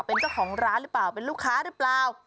เป็นเจ้าของร้านหรือเปล่าเป็นลูกค้าหรือเปล่า